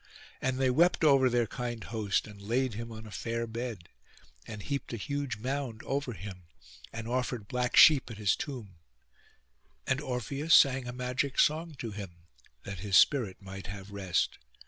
And they wept over their kind host, and laid him on a fair bed, and heaped a huge mound over him, and offered black sheep at his tomb, and Orpheus sang a magic song to him, that his spirit might have rest.